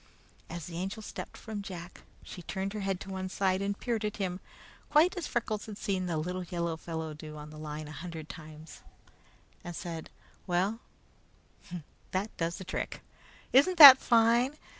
As the Angel stepped from Jack, she turned her head to one side and peered at him, quite as Freckles had seen the little yellow fellow do on the line a hundred times, and said: "Well, that does the trick! Isn't that fine?